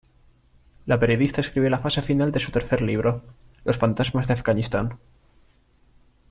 La periodista escribe la fase final de su tercer libro, "Los fantasmas de Afganistán".